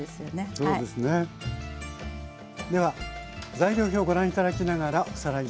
材料表をご覧頂きながらおさらいです。